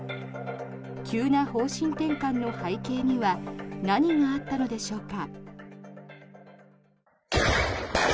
急な方針転換の背景には何があったのでしょうか。